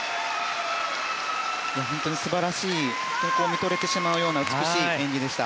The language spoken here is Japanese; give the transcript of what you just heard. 本当に素晴らしい見とれてしまうような美しい演技でした。